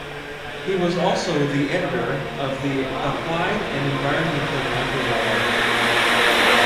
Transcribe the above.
He was also the editor of the "Applied and Environmental Microbiology".